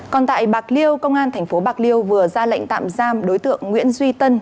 còn tại bạc liêu công an tp bạc liêu vừa ra lệnh tạm giam đối tượng nguyễn duy tân